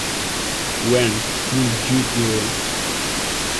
When will you do it?